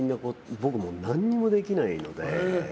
僕何もできないので。